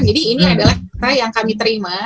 jadi ini adalah kata yang kami terima